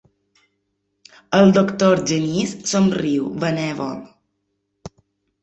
El doctor Genís somriu, benèvol.